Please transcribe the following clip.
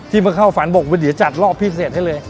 มาเข้าฝันบอกว่าเดี๋ยวจัดรอบพิเศษให้เลย